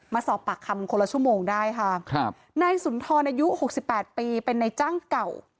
มาสอบปากคำคนละชั่วโมงได้ค่ะครับนายสุนทรอายุหกสิบแปดปีเป็นนายจ้างเก่า